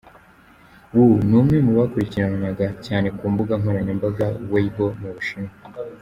Wu, ni umwe mu bakurikirwaga cyane ku mbuga nkoranyambaga ‘weibo’ mu Bushinwa.